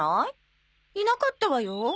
いなかったわよ。